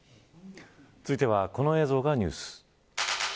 続いてはこの映像がニュース。